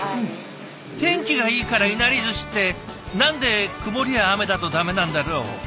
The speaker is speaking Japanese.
天気がいいからいなりずしって何で曇りや雨だとダメなんだろう？